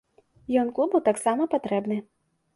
Ён клубу таксама патрэбны.